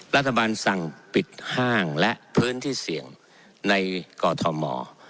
รัฐบาลสั่งปิดห้างและพื้นที่เสี่ยงในกอทม